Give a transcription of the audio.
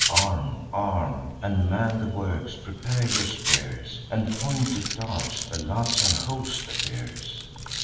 Arm! arm! and man the works! prepare your spears And pointed darts! the Latian host appears."